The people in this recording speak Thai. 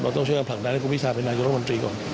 เราต้องช่วยกับผลักนั้นให้คุณพิธาไปนายกระทะมนตรีก่อน